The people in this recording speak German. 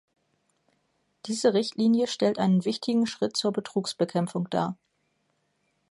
Diese Richtlinie stellt einen wichtigen Schritt zur Betrugsbekämpfung dar.